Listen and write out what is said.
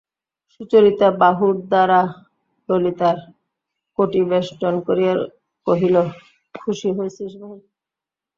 সুচরিতা বাহুর দ্বারা ললিতার কটি বেষ্টন করিয়া কহিল, খুশি হয়েছিস ভাই?